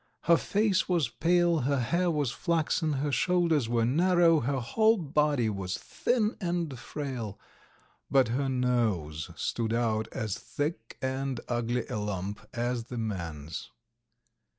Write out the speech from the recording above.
Her face was pale, her hair was flaxen, her shoulders were narrow, her whole body was thin and frail, but her nose stood out as thick and ugly a lump as the man's.